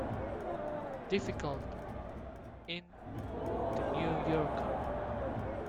Difficult", in "The New Yorker".